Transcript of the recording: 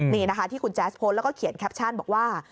นี่นะคะที่คุณแจ๊สโพสต์แล้วก็เขียนแคปชั่นบอกว่า